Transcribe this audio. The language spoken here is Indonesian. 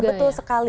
iya betul sekali